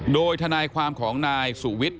โดยทนายความของนายสุวิทย์